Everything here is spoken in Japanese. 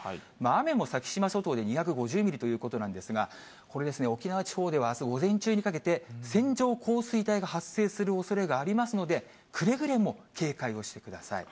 雨も先島諸島で２５０ミリということなんですが、これですね、沖縄地方ではあす午前中にかけて、線状降水帯が発生するおそれがありますので、くれぐれも警戒をしてください。